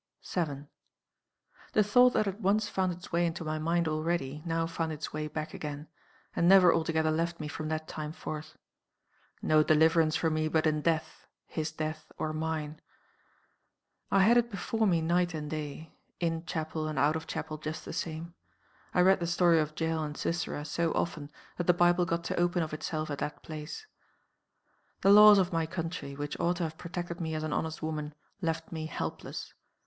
7. "The thought that had once found its way into my mind already, now found its way back again, and never altogether left me from that time forth. No deliverance for me but in death his death, or mine. "I had it before me night and day; in chapel and out of chapel just the same. I read the story of Jael and Sisera so often that the Bible got to open of itself at that place. "The laws of my country, which ought to have protected me as an honest woman, left me helpless.